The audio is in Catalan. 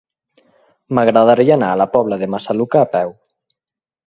M'agradaria anar a la Pobla de Massaluca a peu.